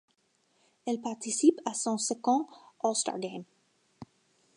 Elle participe à son second All-Star Game.